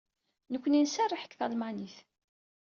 Nekkni nserreḥ deg talmanit.